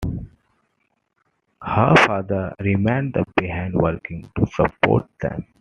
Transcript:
Her father remained behind, working to support them.